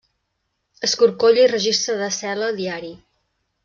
Escorcoll i registre de cel·la diari.